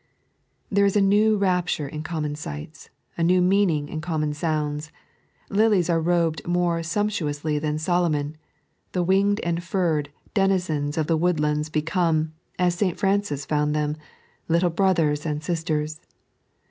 There is a new rapture in common dgbte, a new meaning in common sounds; lilies are robed more sump tuously than Solomon ; the winged and furred denizens of the woodlands become, as St. Francis found them, " little brothers and sisters."